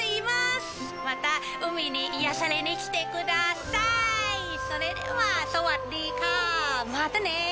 またね。